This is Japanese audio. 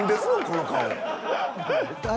この顔。